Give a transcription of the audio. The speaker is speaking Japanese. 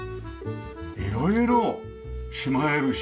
色々しまえるし。